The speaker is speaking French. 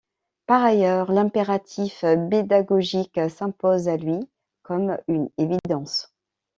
Par ailleurs, l’impératif pédagogique s’impose à lui comme une évidence.